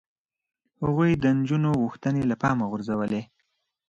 هغوی د نجونو غوښتنې له پامه غورځولې.